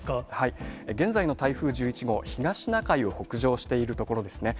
現在の台風１１号、東シナ海を北上しているところですね。